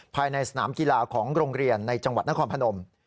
ภายในสนามกีฬาของโรงเรียนในจังหวัดนครพนม